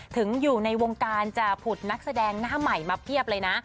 ถึงอยู่ในวงการจะผุดนักแสดงหน้าใหม่มาเพียบเลยนะ